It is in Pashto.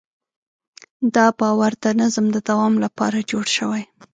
دا باور د نظم د دوام لپاره جوړ شوی.